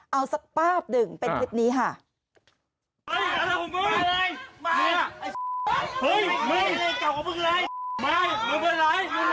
เอาสักป้าบหนึ่งเป็นคลิปนี้ค่ะ